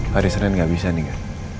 hari senin gak bisa nih nga